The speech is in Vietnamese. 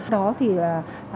đó thì là